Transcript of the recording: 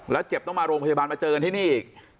แล้วเจ็บต้องมาโรงพยาบาลมาเจอกันที่นี่อีก